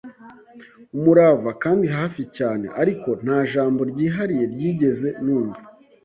umurava, kandi hafi cyane; ariko nta jambo ryihariye ryigeze numva.